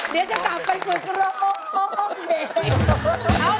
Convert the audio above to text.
เดี๋ยวจะกลับไปฝึกร้อง